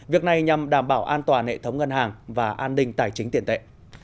việc này nhằm đảm bảo an toàn hệ thống ngân hàng và an ninh tài chính tiền tệ